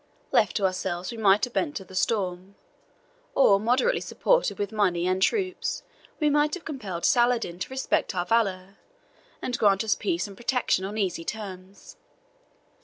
Left to ourselves, we might have bent to the storm; or, moderately supported with money and troops, we might have compelled Saladin to respect our valour, and grant us peace and protection on easy terms.